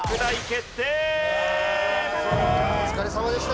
お疲れさまです。